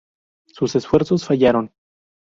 Sus esfuerzos fallaron.